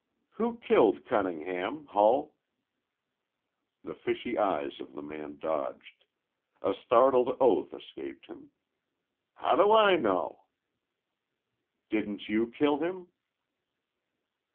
"Who killed Cunningham, Hull?" The fishy eyes of the man dodged. A startled oath escaped him. "How do I know?" "Didn't you kill him?"